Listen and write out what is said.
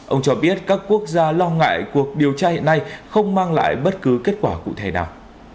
ông cho biết các quốc gia lo ngại cuộc điều tra hiện nay không mang lại bất cứ kết quả cụ thể nào